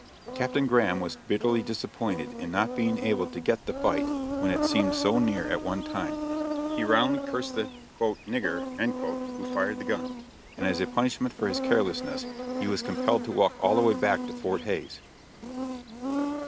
Captain Graham was bitterly disappointed in not being able to get the fight when it seemed so near at one time. He roundly cursed the "nigger" who fired the gun, and as a punishment for his carelessness, he was compelled to walk all the way back to Fort Hays.